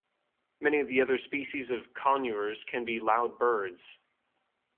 Many of the other species of conures can be loud birds.